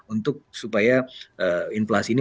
untuk supaya inflasi ini